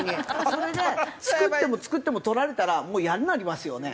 それで作っても作っても取られたらもうイヤになりますよね。